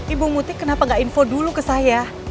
ibu muti kenapa gak info dulu ke saya